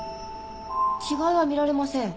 違いは見られません。